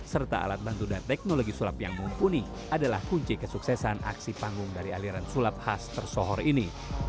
serta alat bantu dan teknologi sulap yang mumpuni adalah kunci kesuksesan aksi panggung dari aliran sulap khas tersohor ini